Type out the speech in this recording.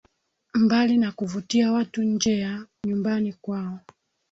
Mbali na kuvutia watu nje ya nyumbani kwao